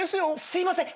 すいません！